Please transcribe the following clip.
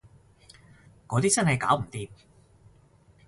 嗰啲真係搞唔掂